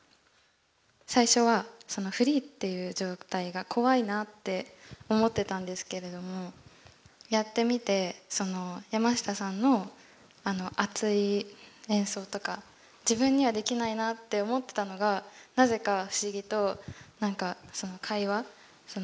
最初はフリーっていう状態が怖いなって思ってたんですけれどもやってみて山下さんの熱い演奏とか自分にはできないなって思ってたのがなぜか不思議となんかその会話？